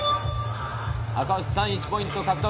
赤星さん１ポイント獲得。